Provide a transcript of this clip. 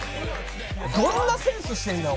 どんなセンスしてんだ？